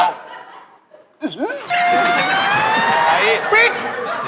ใครอีกปิ๊ก